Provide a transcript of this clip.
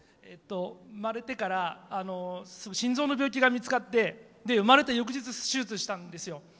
生まれてから心臓の病気が見つかって生まれた翌日に手術したんですよ。